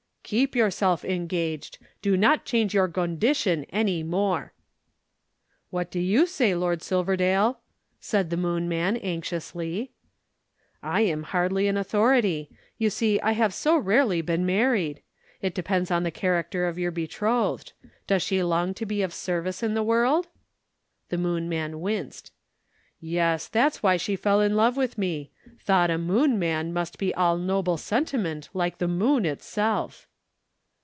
"Keep yourself engaged. Do not change your gondition any more." "What do you say, Lord Silverdale?" said the Moon man, anxiously. "I am hardly an authority. You see I have so rarely been married. It depends on the character of your betrothed. Does she long to be of service in the world?" The Moon man winced. "Yes, that's why she fell in love with me. Thought a Moon man must be all noble sentiment like the Moon itself!"